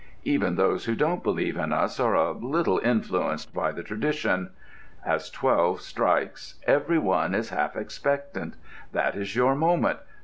Even those who don't believe in us are a little influenced by the tradition. As twelve strikes every one is half expectant. That is your moment.